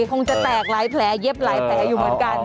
คงจะแตกหลายแผลเย็บหลายแผลอยู่เหมือนกัน